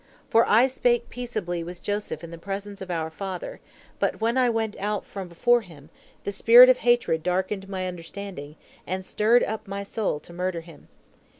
For I spake peaceably with Joseph in the presence of our father, but when I went out from before him, the spirit of hatred darkened my understanding, and stirred up my soul to murder him.